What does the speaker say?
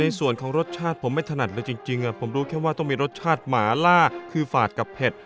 ในส่วนของรสชาติผมไม่ถนัดเลยจริงผมรู้แค่ว่าต้องมีรสชาติหมาล่าคือฝาดกับเผ็ด